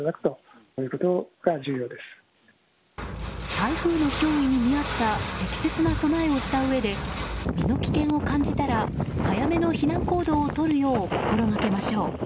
台風の脅威に見合った適切な備えをしたうえで身の危険を感じたら早めの避難行動をとるよう